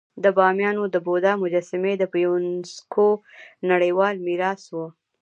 د بامیانو د بودا مجسمې د یونسکو نړیوال میراث وو